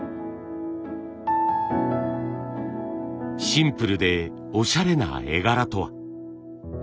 シンプルでおしゃれな絵柄とは？